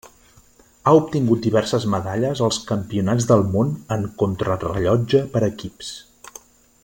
Ha obtingut diverses medalles als Campionats del Món en Contrarellotge per equips.